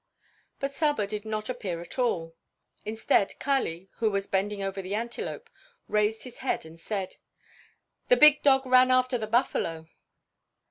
But Saba did not appear at all. Instead, Kali, who was bending over the antelope, raised his head and said: "The big dog ran after the buffalo."